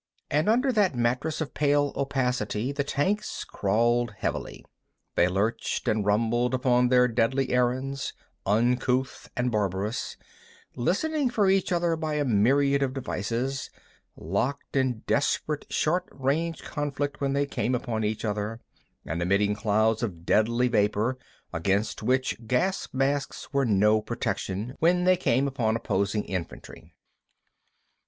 And under that mattress of pale opacity the tanks crawled heavily. They lurched and rumbled upon their deadly errands, uncouth and barbarous, listening for each other by a myriad of devices, locked in desperate, short range conflict when they came upon each other, and emitting clouds of deadly vapor, against which gas masks were no protection, when they came upon opposing infantry.